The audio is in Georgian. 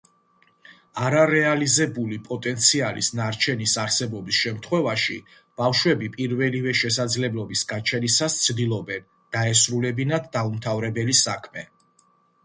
არარეალიზებული პოტენციალის ნარჩენის არსებობის შემთხვევაში ბავშვები პირველივე შესაძლებლობის გაჩენისას ცდილობდნენ დაესრულებინათ დაუმთავრებელი საქმე.